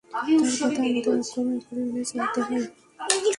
তার কথা আমাদের অক্ষরে অক্ষরে মেনে চলতে হয়।